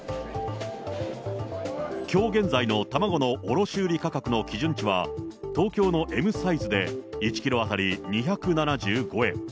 きょう現在の卵の卸売り価格の基準値は、東京のＭサイズで１キロ当たり２７５円。